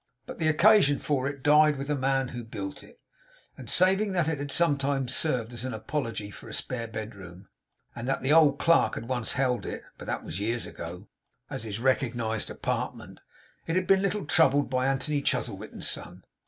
But the occasion for it died with the man who built it; and saving that it had sometimes served as an apology for a spare bedroom, and that the old clerk had once held it (but that was years ago) as his recognized apartment, it had been little troubled by Anthony Chuzzlewit and Son.